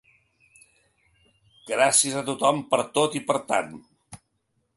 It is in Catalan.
Gràcies a tothom per tot i per tant.